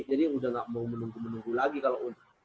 jadi udah gak mau menunggu menunggu lagi kalau udah